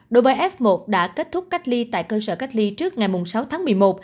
đối với f một đã kết thúc cách ly tại cơ sở cách ly trước ngày sáu tháng một mươi một